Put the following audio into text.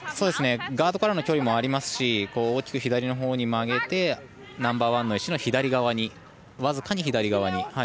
ガードからの距離もありますし大きく左のほうに曲げてナンバーワンの石の僅かに左側に。